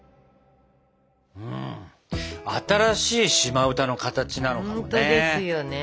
新しい島歌の形なのかもね。